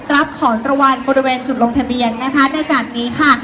รับของรางวัลบริเวณจุดลงทะเบียนนะคะในการนี้ค่ะ